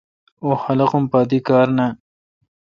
اوں خلقم پا دی کار نان۔